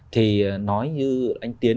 thì nói như anh tiến